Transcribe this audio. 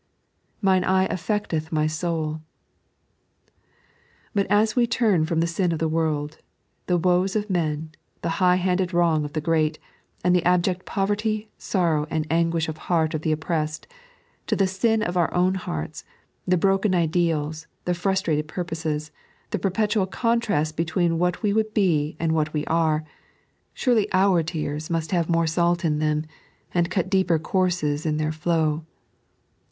"Mins eye affeotetft my soul." But as we turn from the sin of the world, the woes of men, the high handed wrong of the great, and the abject poverty, sorrow, and anguish of heart of the oppressed, to the sin of our own hearts, the broken ideals, the frustrated purposes, the perpetual contrast between what we would be and what we are, surely our tears must have more salt in them, and cut deeper courses in their flow.